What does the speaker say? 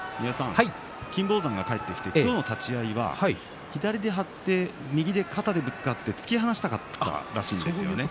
金峰山が帰ってきて今日の立ち合いは左で張って右で張ってぶつかって突き放したかったらしかったですね。